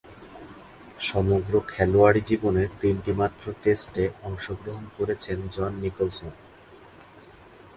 সমগ্র খেলোয়াড়ী জীবনে তিনটিমাত্র টেস্টে অংশগ্রহণ করেছেন জন নিকোলসন।